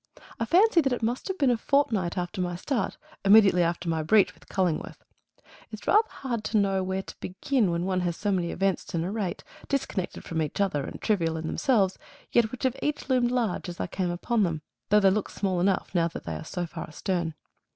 I fancy that it must have been a fortnight after my start, immediately after my breach with Cullingworth. It's rather hard to know where to begin when one has so many events to narrate, disconnected from each other, and trivial in themselves, yet which have each loomed large as I came upon them, though they look small enough now that they are so far astern.